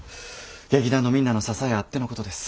劇団のみんなの支えあってのことです。